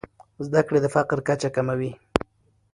زده کړې د فقر کچه کموي.